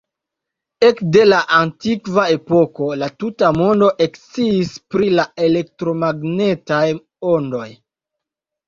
Ekde la antikva epoko, la tuta mondo eksciis pri elektromagnetaj ondoj.